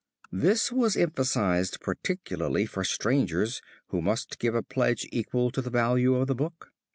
This was emphasized particularly for strangers who must give a pledge equal to the value of the book.